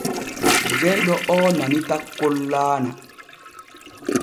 Jayɗo oo nani takkol laana.